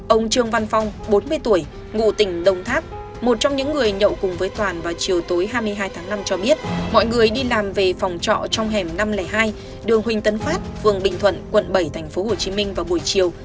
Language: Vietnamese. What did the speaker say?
ông trương văn phong bốn mươi tuổi ngụ tỉnh đồng tháp một trong những người nhậu cùng với toàn vào chiều tối hai mươi hai tháng năm cho biết mọi người đi làm về phòng trọ trong hẻm năm trăm linh hai đường huỳnh tấn phát phường bình thuận quận bảy tp hcm vào buổi chiều